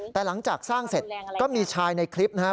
แต่หลังจากสร้างเสร็จก็มีชายในคลิปนะครับ